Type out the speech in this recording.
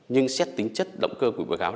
nhưng xét tính chất động cơ của bị cáo